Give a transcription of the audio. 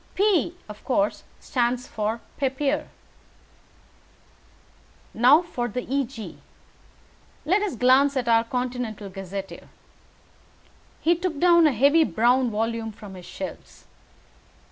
P, of course, stands for 'Papier.' Now for the Eg. Let us glance at our 'Continental Gazetteer.'" He took down a heavy brown volume from his shelves.